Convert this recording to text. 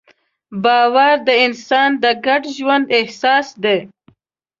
باور د انسان د ګډ ژوند اساس دی.